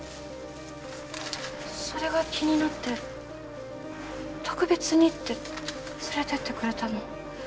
それが気になって特別にって連れて行ってくれたの。